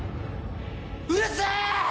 うるせぇ！